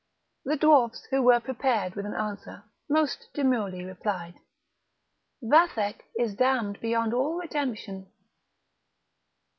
The dwarfs, who were prepared with an answer, most demurely replied: "Vathek is damned beyond all redemption!"